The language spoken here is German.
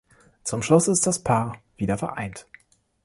Zum Schluss ist das Paar wieder vereint.